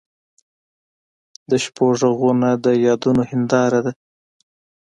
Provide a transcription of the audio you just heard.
د شپو ږغونه د یادونو هنداره ده.